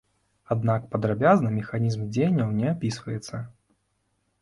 Аднак падрабязна механізм дзеянняў не апісваецца.